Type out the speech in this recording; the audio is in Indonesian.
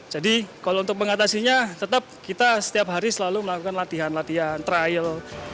jadi kalau untuk mengatasinya tetap kita setiap hari selalu melakukan latihan latian trial